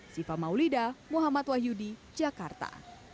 siva maulida muhammad wahyudi jakarta